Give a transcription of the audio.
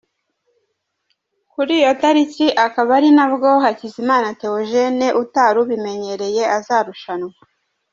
Kuri iyo tariki akaba ari na bwo Hakizimana Theogene utari ubiremereye azarushanwa.